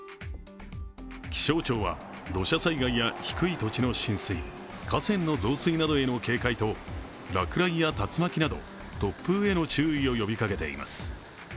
気象庁は土砂災害や低い土地の浸水、河川の増水などへの警戒と落雷や竜巻など突風への注意を呼びかけています。